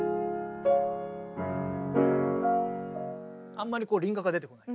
あんまり輪郭が出てこない。